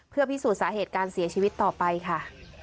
เพื่อพิสูจน์สาเหตุการเสียชีวิตต่อไปค่ะ